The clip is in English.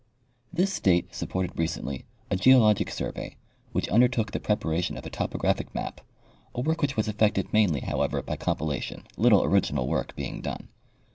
— This state supported recently a geologic sur vey, which undertook the preparation of a topographic map, a work which was effected mainly, however, by compilation, little original work being done.